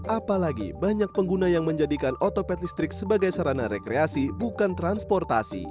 apalagi banyak pengguna yang menjadikan otopet listrik sebagai sarana rekreasi bukan transportasi